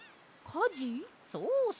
そうそう。